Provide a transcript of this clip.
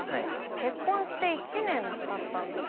結婚して１年たったんだけど。